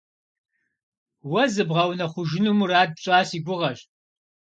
Уэ зыбгъэунэхъужыну мурад пщӏа си гугъэщ.